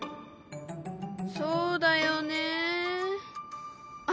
そうだよねあっ！